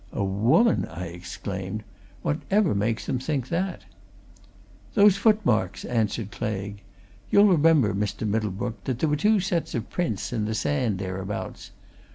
"A woman!" I exclaimed. "Whatever makes them think that?" "Those footmarks," answered Claigue. "You'll remember, Mr. Middlebrook, that there were two sets of prints in the sand thereabouts.